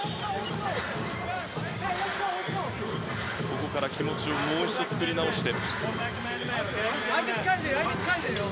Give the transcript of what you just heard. ここから気持ちをもう一度、作り直して。